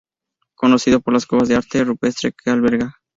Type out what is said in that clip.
Conocido por las cuevas de arte rupestre que alberga.